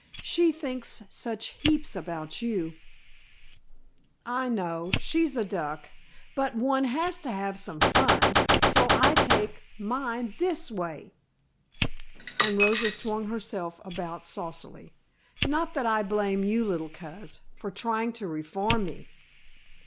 She thinks such heaps about you " "I know. She's a duck. But one has to have some fun, so I take mine this way," and Rosa swung herself about saucily. "Not that I blame you, little Coz, for trying to reform me.